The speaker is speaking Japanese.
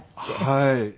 はい。